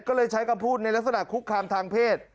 ก็เลยใช้คำพูดในลักษณะคุกคามทางเพศ